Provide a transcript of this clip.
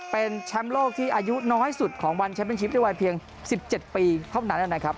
เป็นแชมป์โลกที่อายุน้อยสุดของวันแชมป์เป็นชิปด้วยวัยเพียง๑๗ปีเท่านั้นนะครับ